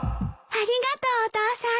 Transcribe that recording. ありがとうお父さん。